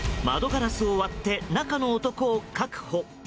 窓ガラスを割って中の男を確保。